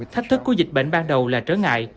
thách thức của dịch bệnh ban đầu là trở ngại